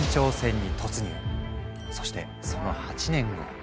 そしてその８年後。